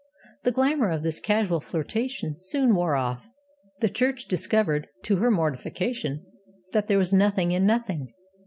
The glamour of this casual flirtation soon wore off. The Church discovered to her mortification that there was nothing in Nothing.